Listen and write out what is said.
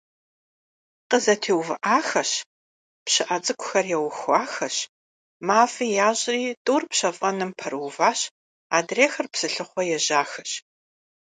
КъызэтеувыӀахэщ, пщыӀэ цӀыкӀухэр яухуахэщ, мафӀи ящӀри тӀур пщэфӀэным пэрыуващ, адрейхэр псылъыхъуэ ежьахэщ.